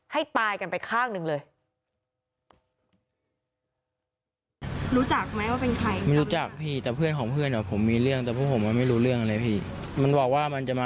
ให้ตายกันไปข้างหนึ่งเลย